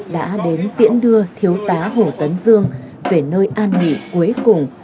đã đến tiễn đưa thiếu tá hồ tấn dương về nơi an nghỉ cuối cùng